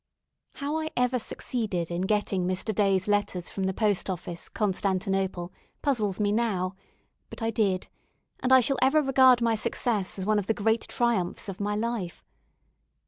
How I ever succeeded in getting Mr. Day's letters from the Post office, Constantinople, puzzles me now; but I did and I shall ever regard my success as one of the great triumphs of my life.